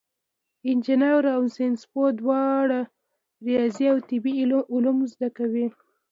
انجینر او ساینسپوه دواړه ریاضي او طبیعي علوم زده کوي.